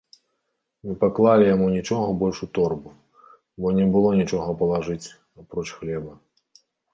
Не паклалі яму нічога больш у торбу, бо не было нічога палажыць, апроч хлеба.